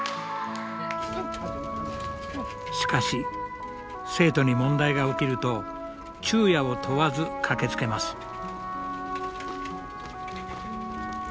しかし生徒に問題が起きると昼夜を問わず駆けつけます。